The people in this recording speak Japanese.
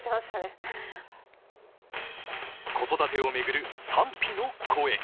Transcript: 子育てを巡る賛否の声。